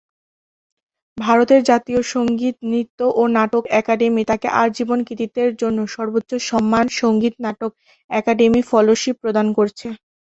ভারতের জাতীয় সংগীত, নৃত্য ও নাটক একাডেমি তাঁকে আজীবন কৃতিত্বের জন্য সর্বোচ্চ সম্মান, সংগীত নাটক আকাদেমি ফেলোশিপ প্রদান করেছে।